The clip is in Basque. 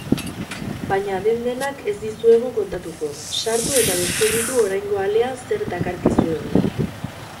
Baina den-denak ez dizuegu kontatuko, sartu eta deskubritu oraingo alean zer dakarkizuegun.